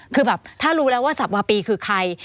คือแบบถ้ารู้แล้วว่าสับวาปีคือใคร